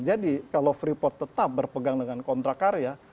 jadi kalau freeport tetap berpegang dengan kontrak karya